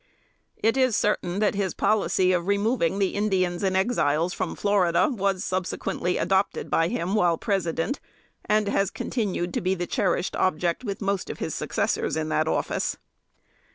It is certain that his policy of removing the Indians and Exiles from Florida, was subsequently adopted by him while President, and has continued to be the cherished object with most of his successors in that office.